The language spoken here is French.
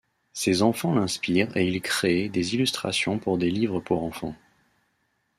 Ses enfants l'inspirent et il crée des illustrations pour des livres pour enfants.